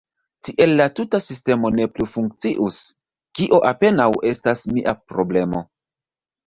Tiel la tuta sistemo ne plu funkcius – kio apenaŭ estas mia problemo.